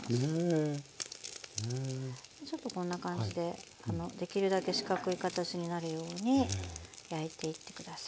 ちょっとこんな感じでできるだけ四角い形になるように焼いていって下さい。